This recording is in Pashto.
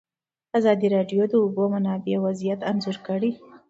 ازادي راډیو د د اوبو منابع وضعیت انځور کړی.